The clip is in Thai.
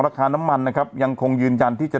ราคาน้ำมันนะครับยังคงยืนยันที่จะ